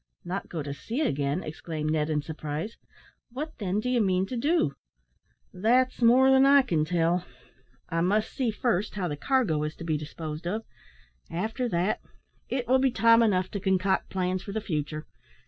"Not go to sea again!" exclaimed Ned, in surprise. "What, then, do you mean to do?" "That's more than I can tell. I must see first how the cargo is to be disposed of; after that, it will be time enough to concoct plans for the future.